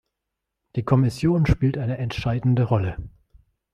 Die Kommission spielt eine entscheidende Rolle.